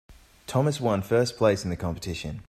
Thomas one first place in the competition.